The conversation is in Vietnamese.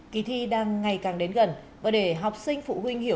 kỳ thi đang ngày càng đến gần và để học sinh phụ huynh hiểu